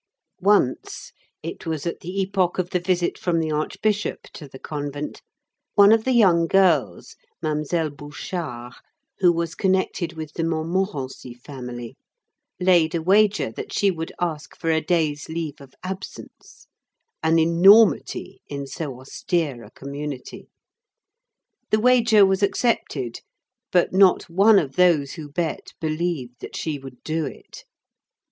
Once—it was at the epoch of the visit from the archbishop to the convent—one of the young girls, Mademoiselle Bouchard, who was connected with the Montmorency family, laid a wager that she would ask for a day's leave of absence—an enormity in so austere a community. The wager was accepted, but not one of those who bet believed that she would do it.